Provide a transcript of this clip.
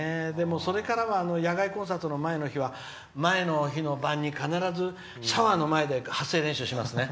それからは野外コンサートの前の日は前の日の晩に必ずシャワーの前で発声練習しますね。